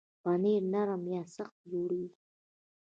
پنېر نرم یا سخت جوړېږي.